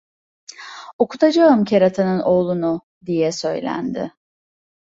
"Okutacağım keratanın oğlunu!" diye söylendi.